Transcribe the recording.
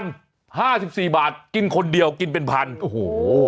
๑๐๐๐บาท๕๔บาทกินคนเดียวกินเป็น๑๐๐๐อ่ะโห